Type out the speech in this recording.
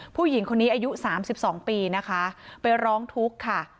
ผู้หญิงคนนี้อายุ๓๒ปีนะคะไปร้องทุกข์ค่ะ